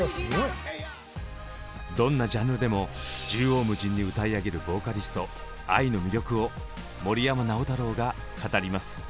どんなジャンルでも縦横無尽に歌い上げるボーカリストＡＩの魅力を森山直太朗が語ります。